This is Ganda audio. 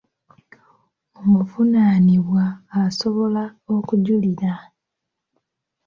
Omuvunaanibwa asobola okujulira.